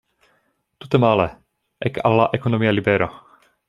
Tute male, ek al la ekonomia libero.